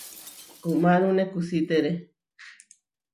Uʼmárune kusítere.